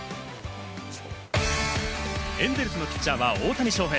エンゼルスのピッチャーは大谷翔平。